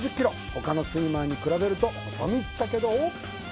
他のスイマーに比べると細身っちゃけど